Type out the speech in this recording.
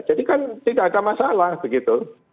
jadi kan tidak ada masalah begitu